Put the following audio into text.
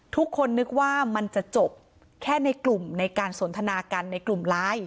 ทุกคนนึกว่ามันจะจบแค่ในกลุ่มในการสนทนากันในกลุ่มไลน์